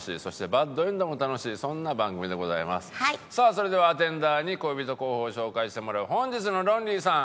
さあそれではアテンダーに恋人候補を紹介してもらう本日のロンリーさん